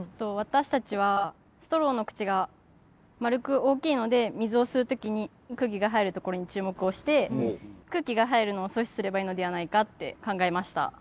私たちはストローの口が丸く大きいので水を吸う時に空気が入る所に注目をして空気が入るのを阻止すればいいのではないかって考えました。